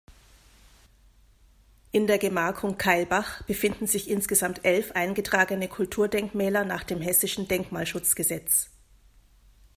In der Gemarkung Kailbach befinden sich insgesamt elf eingetragene Kulturdenkmäler nach dem Hessischen Denkmalschutzgesetz.